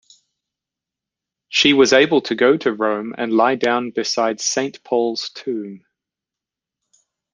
She was able to go to Rome and lie down beside Saint Paul's tomb.